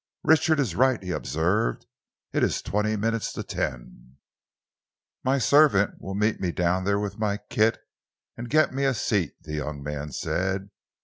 "Richard is right," he observed. "It is twenty minutes to ten." "My servant will meet me down there with my kit and get me a seat," the young man said.